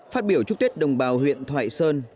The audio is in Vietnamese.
phát biểu chúc tết đồng bào huyện thoại sơn